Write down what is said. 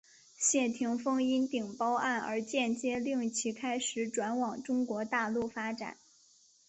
谢霆锋因顶包案而间接令其开始转往中国大陆发展。